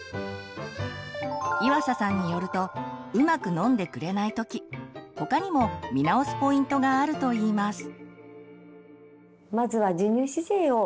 岩佐さんによるとうまく飲んでくれない時他にも見直すポイントがあると言います。